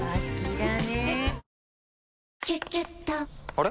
あれ？